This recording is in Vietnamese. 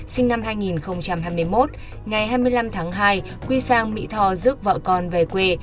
sinh năm hai nghìn hai mươi một ngày hai mươi năm tháng hai quy sang mỹ tho giúp vợ con về quê